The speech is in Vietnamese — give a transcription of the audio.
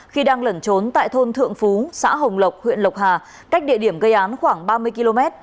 khi đang lẩn trốn tại thôn thượng phú xã hồng lộc huyện lộc hà cách địa điểm gây án khoảng ba mươi km